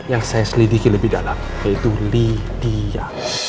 satu yang saya selidiki lebih dalam yaitu lydia